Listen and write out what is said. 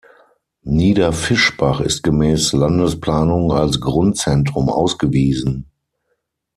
Niederfischbach ist gemäß Landesplanung als Grundzentrum ausgewiesen.